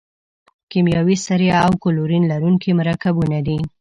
کیمیاوي سرې او کلورین لرونکي مرکبونه دي.